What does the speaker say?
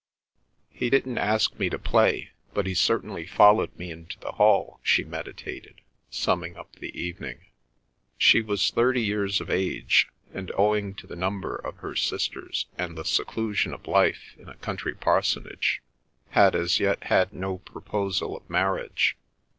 "He didn't ask me to play, but he certainly followed me into the hall," she meditated, summing up the evening. She was thirty years of age, and owing to the number of her sisters and the seclusion of life in a country parsonage had as yet had no proposal of marriage.